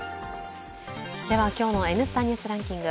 では今日の「Ｎスタ・ニュースランキング」。